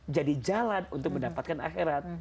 jadi jalan untuk mendapatkan akhirat